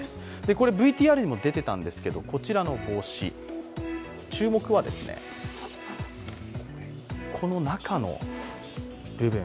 これはＶＴＲにも出ていたんですけどこちらの帽子、注目は、この中の部分。